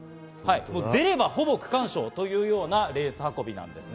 出れば、ほぼ区間賞というようなレース運びなんです。